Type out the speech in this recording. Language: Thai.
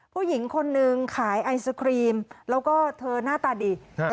ผู้หญิงคนนึงขายไอศครีมแล้วก็เธอหน้าตาดี